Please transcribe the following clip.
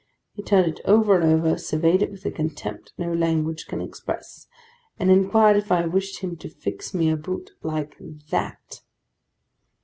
He turned it over and over; surveyed it with a contempt no language can express; and inquired if I wished him to fix me a boot like that?